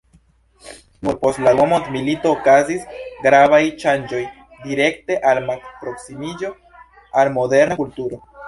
Nur post la dua mondmilito okazis gravaj ŝanĝoj direkte al alproksimiĝo al moderna kulturo.